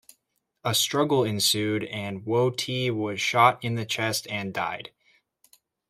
A struggle ensued and Woah-Tee was shot in the chest and died.